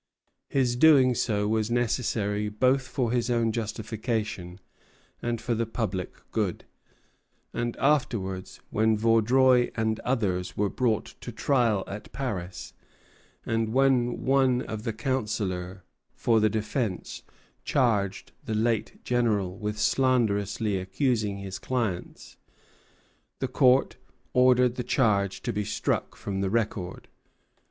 His doing so was necessary, both for his own justification and for the public good; and afterwards, when Vaudreuil and others were brought to trial at Paris, and when one of the counsel for the defence charged the late general with slanderously accusing his clients, the Court ordered the charge to be struck from the record.